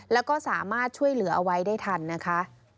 แล้วก็สามารถช่วยเหลือเอาไว้ได้ทันนะคะ